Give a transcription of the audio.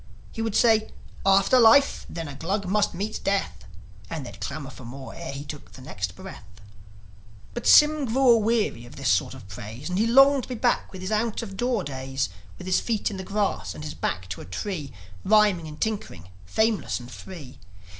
He would say "After life, then a Glug must meet death!" And they'd clamour for more ere he took the next breath. But Sym grew aweary of this sort of praise, And he longed to be back with his out o' door days, With his feet in the grass and his back to a tree, Rhyming and tinkering, fameless and free.